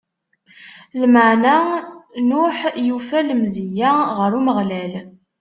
Lameɛna Nuḥ yufa lemzeyya ɣer Umeɣlal.